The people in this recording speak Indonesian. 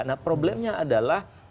nah problemnya adalah